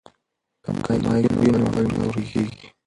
که مایک وي نو غږ نه ورکیږي.